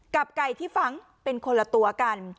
ไก่ที่ฝังเป็นคนละตัวกัน